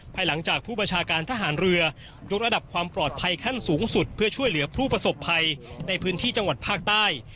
หลังจากผู้บัญชาการทหารเรือยกระดับความปลอดภัยขั้นสูงสุดเพื่อช่วยเหลือผู้ประสบภัยในพื้นที่จังหวัดภาคใต้